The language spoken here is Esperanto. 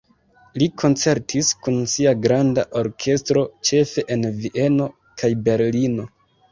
Li koncertis kun sia granda orkestro ĉefe en Vieno kaj Berlino.